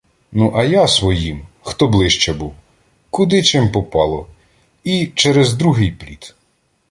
Ну, а я "своїм", хто ближче був, — куди чим попало і — через другий пліт.